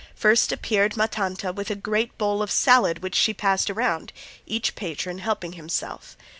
First appeared Ma Tanta with a great bowl of salad which she passed around, each patron helping himself.